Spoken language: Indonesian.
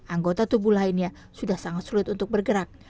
anggota tubuh lainnya sudah sangat sulit untuk bergerak